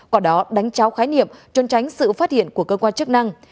quả đó đánh cháo khái niệm trôn tránh sự phát hiện của cơ quan chức năng